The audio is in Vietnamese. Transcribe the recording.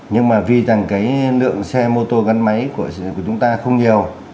nhưng mà vì rằng cái lượng xe mô tô gắn máy của chúng ta không nhiều